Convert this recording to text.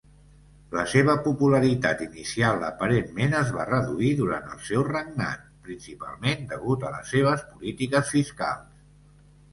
La seva popularitat inicial aparentment es va reduir durant el seu regnat, principalment degut a les seves polítiques fiscals.